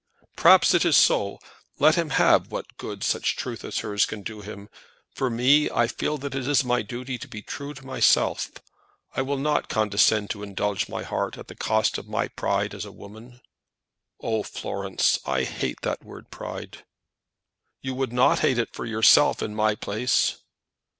"Perhaps it is so. Let him have what good such truth as hers can do him. For me, I feel that it is my duty to be true to myself. I will not condescend to indulge my heart at the cost of my pride as a woman." "Oh, Florence, I hate that word pride." "You would not hate it for yourself, in my place."